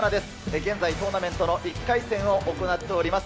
現在、トーナメントの１回戦を行っております。